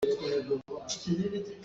Ni a lin.